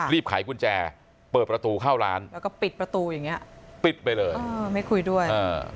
ไขกุญแจเปิดประตูเข้าร้านแล้วก็ปิดประตูอย่างเงี้ยปิดไปเลยเออไม่คุยด้วยอ่า